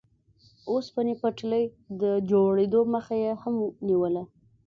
اوسپنې پټلۍ د جوړېدو مخه یې هم نیوله.